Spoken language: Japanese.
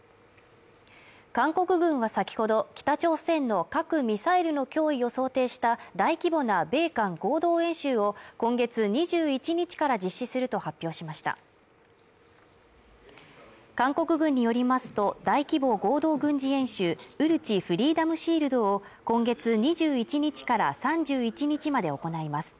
韓国軍は先ほど北朝鮮の核・ミサイルの脅威を想定した大規模な米韓合同演習を今月２１日から実施すると発表しました韓国軍によりますと大規模合同軍事演習ウルチフリーダムシールドを今月２１日から３１日まで行います